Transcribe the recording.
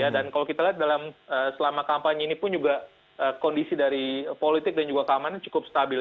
dan kalau kita lihat selama kampanye ini pun juga kondisi dari politik dan juga keamanan cukup stabil